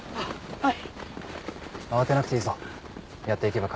はい！